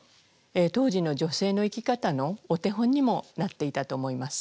当時の女性の生き方のお手本にもなっていたと思います。